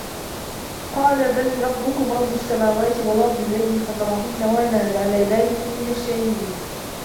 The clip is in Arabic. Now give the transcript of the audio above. قال بل ربكم رب السماوات والأرض الذي فطرهن وأنا على ذلكم من الشاهدين